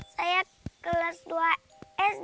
saya kelas dua sd